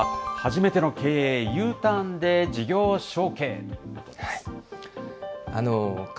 けさは、初めての経営、Ｕターンで事業承継です。